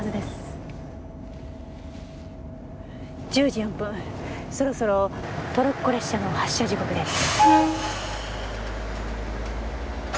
１０時４分そろそろトロッコ列車の発車時刻です。